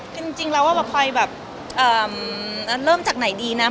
คือจริงเรามันว่าพอยลองจากไหนดีนะ